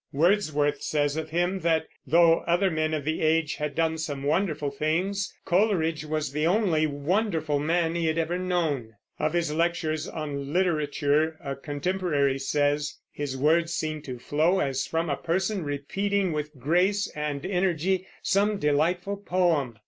Wordsworth says of him that, though other men of the age had done some wonderful things, Coleridge was the only wonderful man he had ever known. Of his lectures on literature a contemporary says: "His words seem to flow as from a person repeating with grace and energy some delightful poem."